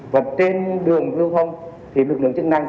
và trên đường lưu thông thì lực lượng chức năng